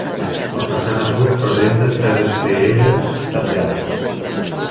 La façana sud presenta tres espieres tapiades.